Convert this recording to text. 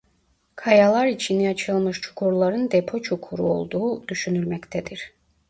Kayalar içine açılmış çukurların depo çukuru olduğu düşünülmektedir.